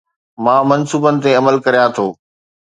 مان منصوبن تي عمل ڪريان ٿو